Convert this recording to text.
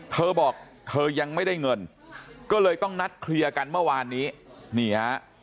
เธอบอกเธอยังไม่ได้เงินก็เลยต้องนัดเคลียร์กันเมื่อวานนี้นี่ฮะ